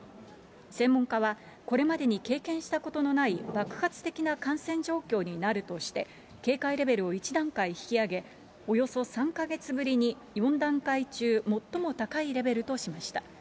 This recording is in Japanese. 専門家は、これまでに経験したことのない爆発的な感染状況になるとして、警戒レベルを１段階引き上げ、およそ３か月ぶりに４段階中、最も高いレベルとしました。